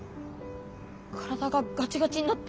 体がガチガチになって。